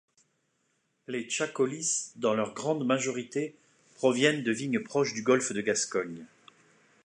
Les txakolis, dans leur grande majorité, proviennent de vignes proches du golfe de Gascogne.